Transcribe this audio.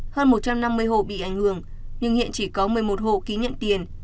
hơn một trăm năm mươi hộ bị ảnh hưởng nhưng hiện chỉ có một mươi một hộ ký nhận tiền